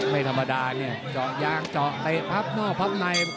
ไม่ธรรมดาเนี่ยจอยยางจอกอะไรพับนอกพับใต้